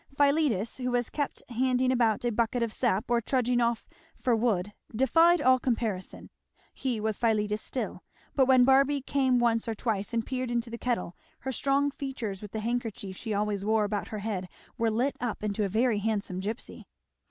Philetus, who was kept handing about a bucket of sap or trudging off for wood, defied all comparison; he was Philetus still; but when Barby came once or twice and peered into the kettle her strong features with the handkerchief she always wore about her head were lit up into a very handsome gypsy.